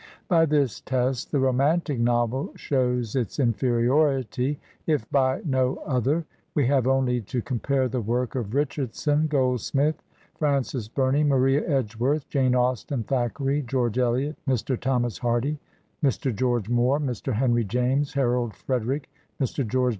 By this test the romantic novel shows its inferiority, if by no other; we have only to compare the work of Richardson, Goldsmith, Frances Bumey, Maria Edgeworth, Jane Austen, Thackeray, George Eliot, Mr. Thomas Hardy, Mr. George Moore, Mr. Henry James, Harold Frederic, Mr. George W.